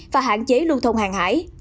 và hạn chế lưu thông hàng hải